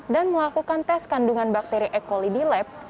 dan melakukan tes kandungan bakteri e coli di lab